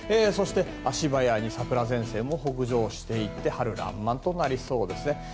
そして、足早に桜前線も北上していって春らんまんとなりそうですね。